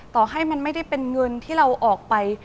ต่อให้มันไม่ได้เป็นเงินที่เราออกไป